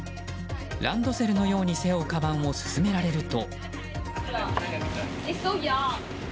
ランドセルのように背負うかばんを勧められると。